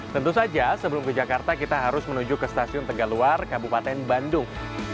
tentu saja sebelum ke jakarta kita harus menuju ke stasiun tegaluar kabupaten bandung